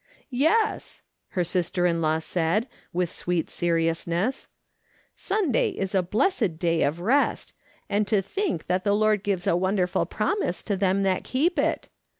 " Yes," her sister in law said, with sweet serious ness ;" Sunday is a blessed day of rest, and to think that the Lord gives a wonderful promise to them that keep it